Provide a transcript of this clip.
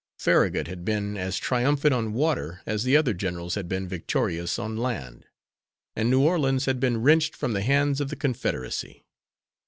Farragut had been as triumphant on water as the other generals had been victorious on land, and New Orleans had been wrenched from the hands of the Confederacy.